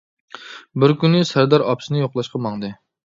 بىر كۈنى سەردار ئاپىسىنى يوقلاشقا ماڭدى.